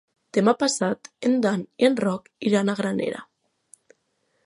Demà passat en Dan i en Roc iran a Granera.